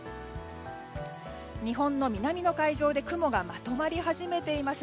日本の南の海上で雲がまとまり始めています。